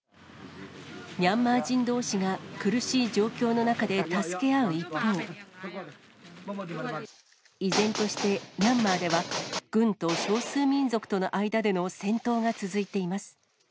ミャンマー人どうしが苦しい状況の中で助け合う一方、依然として、ミャンマーでは軍と少数民族との間での戦闘が続いています。